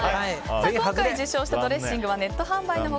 今回受賞したドレッシングはネット販売の他